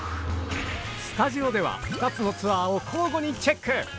スタジオでは２つのツアーを交互にチェック。